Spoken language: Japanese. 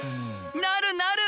なるなる！